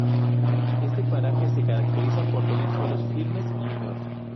Este paraje se caracteriza por tener suelos firmes y húmedos.